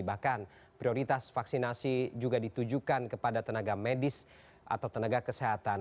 bahkan prioritas vaksinasi juga ditujukan kepada tenaga medis atau tenaga kesehatan